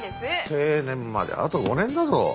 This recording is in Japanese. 定年まであと５年だぞ。